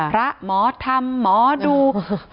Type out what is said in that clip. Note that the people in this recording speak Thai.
พระหมอธรรมหมอดู